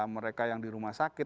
mereka yang di rumah sakit